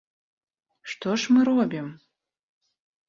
Што ж мы робім?